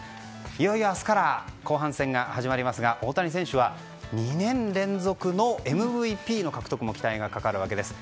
いよいよ明日から後半戦が始まりますが大谷選手は２年連続のＭＶＰの獲得も期待がかかるわけです。